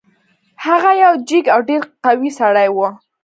هغه یو جګ او ډیر قوي سړی و.